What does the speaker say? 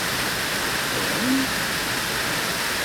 Txelɛem?